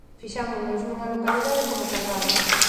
Fixámonos nunha localidade como Carballo.